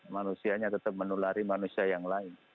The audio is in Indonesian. manusianya tetap menulari manusia yang lain